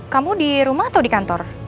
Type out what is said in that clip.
kamu di rumah atau di kantor